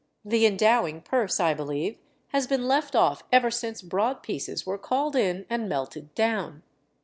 The endowing purse, I believe, has been left off ever since broad pieces were called in and melted down.